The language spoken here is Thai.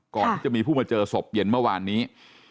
ก่อนที่จะมีผู้มาเจอศพเย็นเมื่อวานนี้